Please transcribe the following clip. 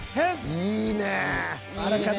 いいね。